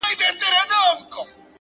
لوړ همت د خنډونو سیوري لنډوي!.